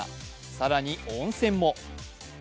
更に、温泉も。